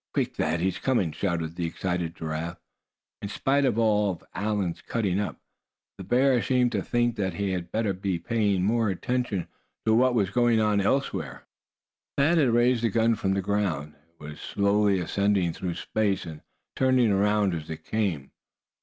"Quick! Thad, he's coming!" shouted the excited Giraffe. In spite of all Allan's cutting up the bear seemed to think that he had better be paying more attention to what was going on elsewhere. Thad had raised the gun from the ground. It was slowly ascending through space, and turning around as it came.